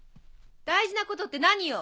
大事なことって何よ？